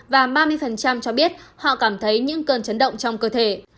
và ba mươi cho biết họ cảm thấy những cơn chấn động trong cơ thể